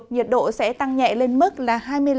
nhiệt độ sẽ tăng nhẹ lên mức là hai mươi năm